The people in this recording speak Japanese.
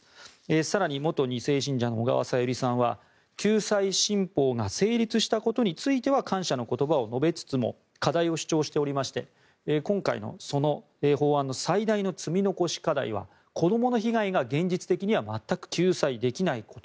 更に、元２世信者の小川さゆりさんは救済新法が成立したことについては感謝の言葉を述べつつも課題を主張しておりまして今回の法案の最大の積み残し課題は子どもの被害が現実的には全く救済できないこと